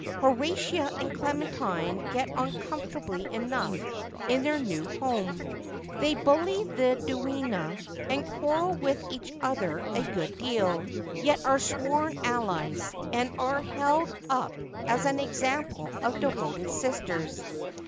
Horatia and Clementine get on comfortably enough in their new home. They bully the duenna, and quarrel with each other a good deal, yet are sworn allies, and are held up as an example of devoted sisters.